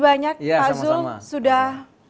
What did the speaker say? banyak azul ya sama sama sudah